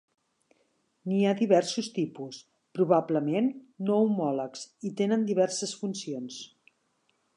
N'hi ha diversos tipus, probablement no homòlegs, i tenen diverses funcions.